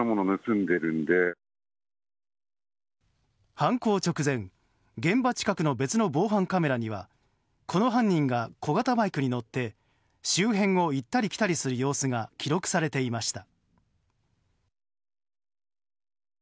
犯行直前、現場近くの別の防犯カメラにはこの犯人が小型バイクに乗って周辺を行ったり来たりする様子が記録されていました。